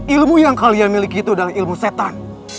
ilmu yang kalian miliki itu adalah ilmu setan